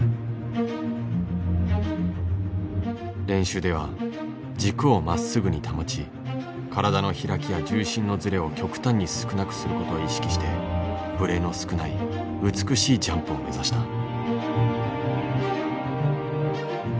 練習では軸をまっすぐに保ち体の開きや重心のずれを極端に少なくすることを意識してブレの少ない美しいジャンプを目指した。